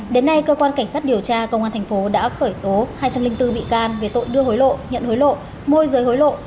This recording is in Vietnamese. đến nay cơ quan cảnh sát điều tra công an thành phố đã khởi tố hai trăm linh bốn bị can về tội đưa hối lộ nhận hối lộ môi giới hối lộ